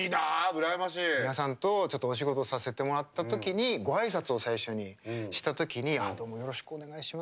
美輪さんとちょっとお仕事させてもらった時にご挨拶を最初にした時にどうもよろしくお願いしますって。